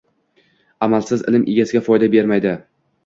Amalsiz ilm egasiga foyda bermaydi.